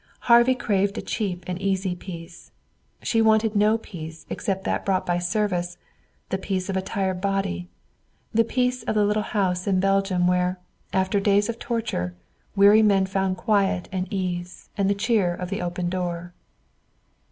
Harvey craved a cheap and easy peace. She wanted no peace except that bought by service, the peace of a tired body, the peace of the little house in Belgium where, after days of torture, weary men found quiet and ease and the cheer of the open door.